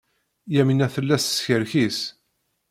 Yamina tella teskerkis.